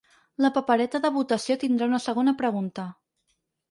La papereta de votació tindrà una segona pregunta.